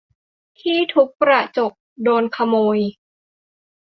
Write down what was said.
ที่ทุบกระจกโดนขโมย !